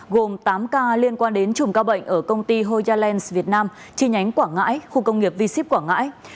gồm tám ca liên quan đến trùm ca bệnh ở công ty hoya lens việt nam chi nhánh quảng ngãi khu công nghiệp v sip quảng ngãi